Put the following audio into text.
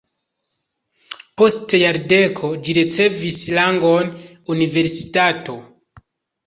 Post jardeko ĝi ricevis rangon universitato.